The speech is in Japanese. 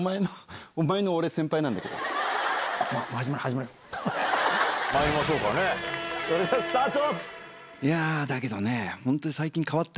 まいりましょうかねスタート！